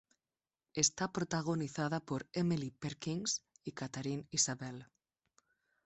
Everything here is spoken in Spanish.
Está protagonizada por Emily Perkins y Katharine Isabelle.